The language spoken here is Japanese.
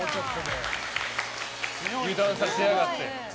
油断させやがって。